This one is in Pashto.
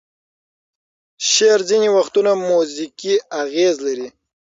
شعر ځینې وختونه موزیکي اغیز لري.